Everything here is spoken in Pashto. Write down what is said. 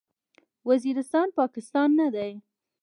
وزیرستان، پاکستان نه دی.